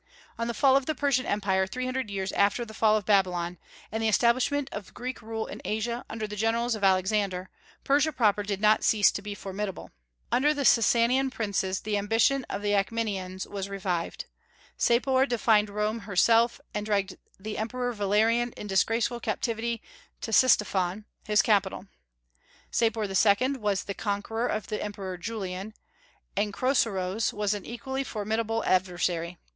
On the fall of the Persian Empire three hundred years after the fall of Babylon, and the establishment of the Greek rule in Asia under the generals of Alexander, Persia proper did not cease to be formidable. Under the Sassanian princes the ambition of the Achaemenians was revived. Sapor defied Rome herself, and dragged the Emperor Valerian in disgraceful captivity to Ctesiphon, his capital. Sapor II. was the conqueror of the Emperor Julian, and Chrosroes was an equally formidable adversary.